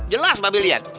jelas babe liat